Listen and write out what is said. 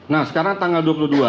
nah sekarang tanggal dua puluh dua